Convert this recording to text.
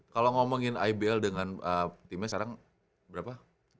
kalau ngomongin ibl dengan timnya sekarang berapa